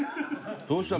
どうしたの？